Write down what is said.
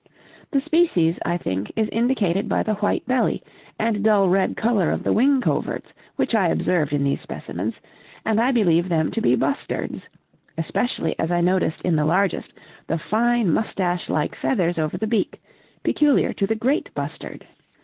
The species, I think, is indicated by the white belly and dull red color of the wing coverts which I observed in these specimens, and I believe them to be bustards, especially as I noticed in the largest the fine mustache like feathers over the beak, peculiar to the great bustard.'